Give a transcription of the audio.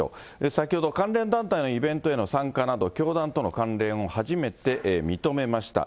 先ほど関連団体のイベントへの参加など、教団との関連を初めて認めました。